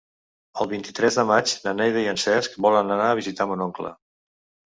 El vint-i-tres de maig na Neida i en Cesc volen anar a visitar mon oncle.